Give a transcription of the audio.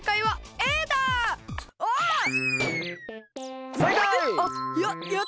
えっ？